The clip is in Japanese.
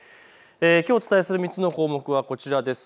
きょうお伝えする３つの項目はこちらです。